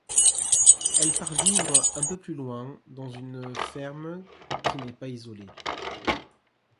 Elle part vivre un peu plus loin dans une ferme qui n'est pas isolée.